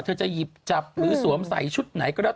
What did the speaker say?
จะหยิบจับหรือสวมใส่ชุดไหนก็แล้ว